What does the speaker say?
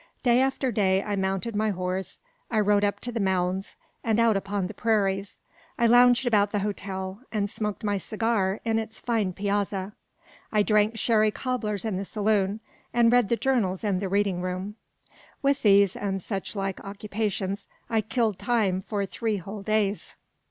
Day after day I mounted my horse, I rode up to the "Mounds" and out upon the prairies. I lounged about the hotel, and smoked my cigar in its fine piazza. I drank sherry cobblers in the saloon, and read the journals in the reading room. With these and such like occupations, I killed time for three whole days.